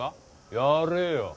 やれよ！